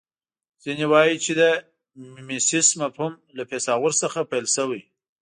ځینې وايي چې د میمیسیس مفهوم له فیثاغورث څخه پیل شوی